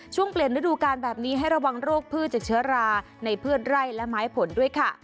ช่วงเปลี่ยนฤดูการแบบนี้ให้ระวังโรคพืชจากเชื้อราในพืชไร่และไม้ผลด้วยค่ะ